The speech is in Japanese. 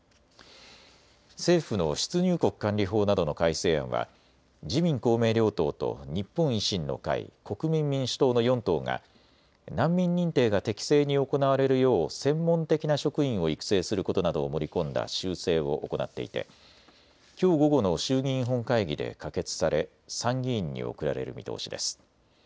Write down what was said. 政府の出入国管理法などの改正案は自民公明両党と日本維新の会、国民民主党の４党が難民認定が適正に行われるよう専門的な職員を育成することなどを盛り込んだ修正を行っていてきょう午後の衆議院本会議で可決され参議院に送られる見通しです。